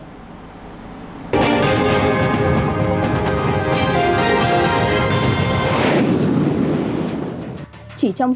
ngoại truyền thông tin